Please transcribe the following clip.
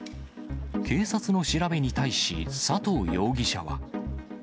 警察の調べに対し、佐藤容疑者は。